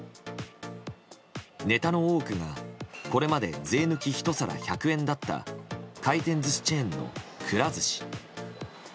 ネタの多くが、これまで税抜き１皿１００円だった回転寿司チェーンのくら寿司。